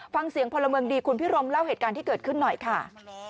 ฟังเสียงพลเมืองดีคุณพิรมเล่าเหตุการณ์ที่เกิดขึ้นหน่อยค่ะ